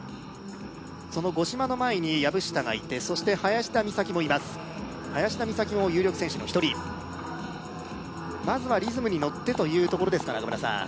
その五島の前に籔下がいてそして林田美咲もいます林田美咲も有力選手の一人まずはリズムに乗ってというところですか中村さん